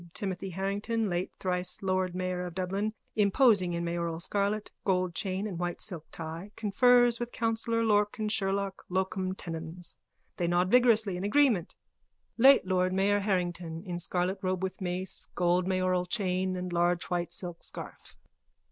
Timothy Harrington, late thrice Lord Mayor of Dublin, imposing in mayoral scarlet, gold chain and white silk tie, confers with councillor Lorcan Sherlock,_ locum tenens. They nod vigorously in agreement.) LATE LORD MAYOR HARRINGTON: _(In scarlet robe with mace, gold mayoral chain and large white silk scarf.)